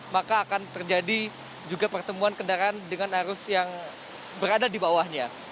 maka akan terjadi juga pertemuan kendaraan dengan arus yang berada di bawahnya